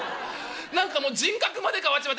何かもう人格まで変わっちまって。